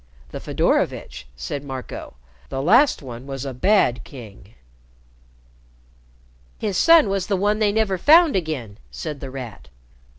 "The Fedorovitch," said Marco. "The last one was a bad king." "His son was the one they never found again," said The Rat.